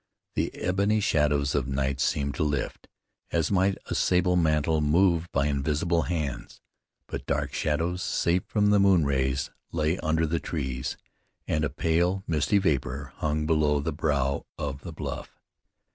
The ebony shadows of night seemed to lift, as might a sable mantle moved by invisible hands. But dark shadows, safe from the moon rays, lay under the trees, and a pale, misty vapor hung below the brow of the bluff.